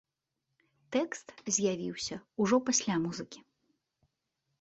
Тэкст з'явіўся ўжо пасля музыкі.